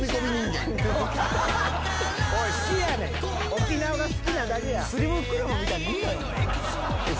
沖縄が好きなだけや。